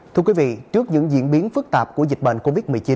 thưa quý vị trước những diễn biến phức tạp của dịch bệnh covid một mươi chín